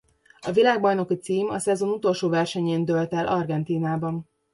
A világbajnoki cím a szezon utolsó versenyén dőlt el Argentínában.